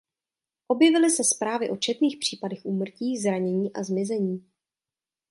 Objevily se zprávy o četných případech úmrtí, zranění a zmizení.